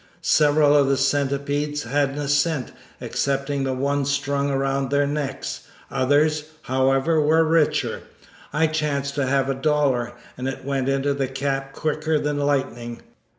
Several of the Centipedes hadn't a cent, excepting the one strung around their necks; others, however, were richer. I chanced to have a dollar, and it went into the cap quicker than lightning.